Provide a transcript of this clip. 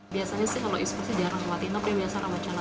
biasanya sih kalau ispa sih jarang buatin tapi biasa rawat jalan aja